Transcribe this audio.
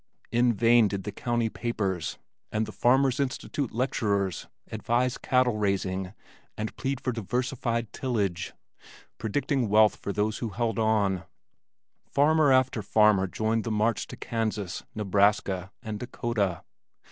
In vain did the county papers and Farmer's Institute lecturers advise cattle raising and plead for diversified tillage, predicting wealth for those who held on; farmer after farmer joined the march to Kansas, Nebraska, and Dakota.